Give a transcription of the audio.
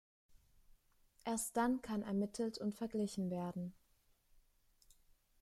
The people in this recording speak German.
Erst dann kann ermittelt und verglichen werden.